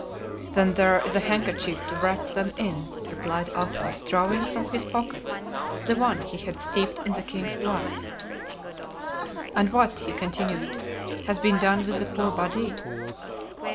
"Then here is a handkerchief to wrap them in," replied Athos, drawing from his pocket the one he had steeped in the king's blood. "And what," he continued, "has been done with the poor body?"